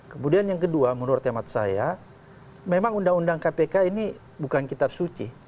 kemudian yang kedua menurut temat saya memang undang undang kpk ini bukan kitab suci